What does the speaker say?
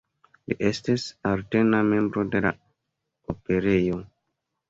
Li estis eterna membro de la Operejo.